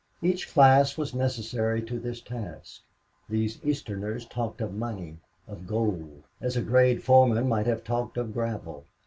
Each class was necessary to this task. These Easterners talked of money, of gold, as a grade foreman might have talked of gravel.